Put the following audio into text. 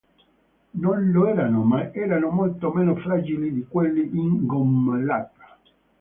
Non lo erano, ma erano molto meno fragili di quelli in gommalacca.